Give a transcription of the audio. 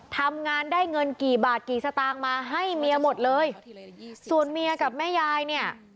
ทำงานได้เงินกี่บาทกี่สตางค์มาให้เมียหมดเลยส่วนเมียกับแม่ยายเนี่ย